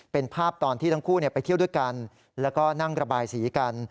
เป็นภาพตอนที่ทั้งคู่ไปเที่ยวด้วยกันแล้วก็นั่งระบายสีกัน